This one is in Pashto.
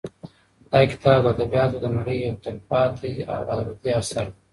دا کتاب د ادبیاتو د نړۍ یو تلپاتې او ابدي اثر دی.